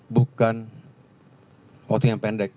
bukan waktu yang pendek